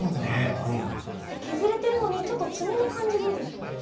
削れているのに爪の感じはどうですか？